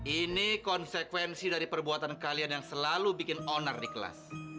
ini konsekuensi dari perbuatan kalian yang selalu bikin owner di kelas